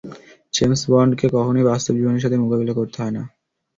James বন্ডকে কখনই বাস্তব জীবনের সাথে মোকাবিলা করতে হয় না।